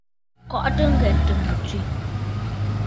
Kɔʼɔtə ŋghɛntə mə tswe.